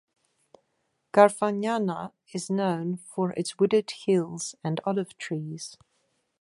Garfagnana is known for its wooded hills and olive trees.